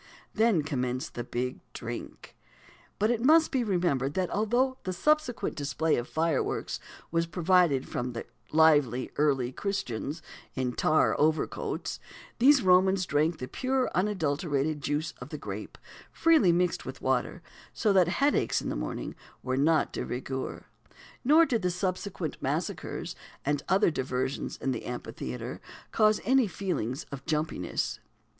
Then commenced the "big drink." But it must be remembered that although the subsequent display of fireworks was provided from lively Early Christians, in tar overcoats, these Romans drank the pure, unadulterated juice of the grape, freely mixed with water; so that headaches i' th' morn were not de rigueur, nor did the subsequent massacres and other diversions in the Amphitheatre cause any feelings of "jumpiness."